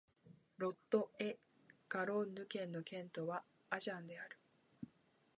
ロット＝エ＝ガロンヌ県の県都はアジャンである